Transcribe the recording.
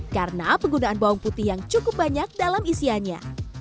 karena penggunaan bawang putih yang cukup banyak dalam isiannya